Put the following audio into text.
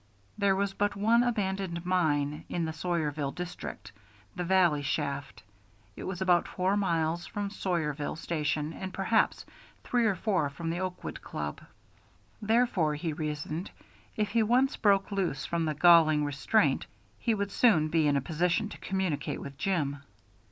There was but one abandoned mine in the Sawyerville district, the Valley Shaft; it was about four miles from Sawyerville station and perhaps three or four from the Oakwood Club. Therefore, he reasoned, if he once broke loose from this galling restraint, he would soon be in a position to communicate with Jim.